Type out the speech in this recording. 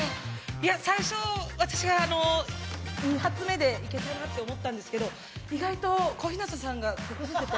最初私が１発目でいけそうだなと思ったんですけど、意外と小日向さんが手こずってて。